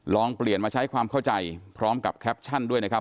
ลองเปลี่ยนมาใช้ความเข้าใจพร้อมกับแคปชั่นด้วยนะครับ